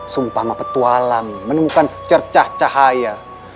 sumpah mapetualam menemukan secercah cahaya